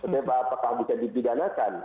tapi apakah bisa dipidanakan